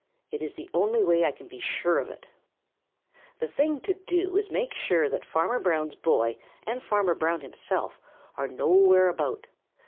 It is the only way I can be sure of it. "The thing to do is to make sure that Farmer Brown's boy and Farmer Brown himself are nowhere about.